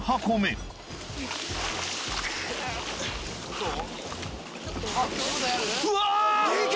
どう？